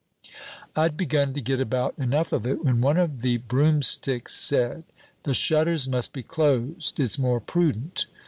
"I'd begun to get about enough of it when one of the broomsticks said, 'The shutters must be closed; it's more prudent.'